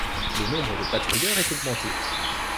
Le nombre de patrouilleurs est augmenté.